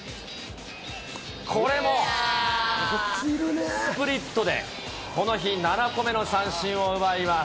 これもスプリットで、この日、７個目の三振を奪います。